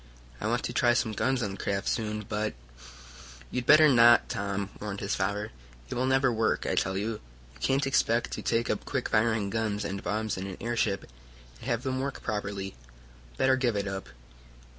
I want to try some guns on the craft soon, but " "You'd better not, Tom," warned his father. "It will never work, I tell you. You can't expect to take up quick firing guns and bombs in an airship, and have them work properly. Better give it up."